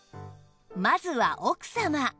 まずは奥様